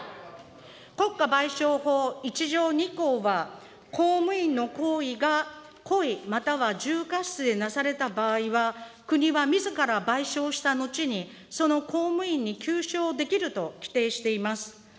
国家賠償法１条２項は、公務員の行為が故意または重過失でなされた場合は、国はみずから賠償した後にその公務員に求償できると規定しています。